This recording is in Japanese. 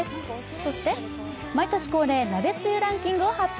そして、毎年恒例鍋つゆランキングを発表。